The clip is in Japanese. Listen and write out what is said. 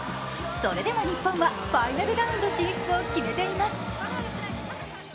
それでも日本はファイナルラウンド進出を決めています。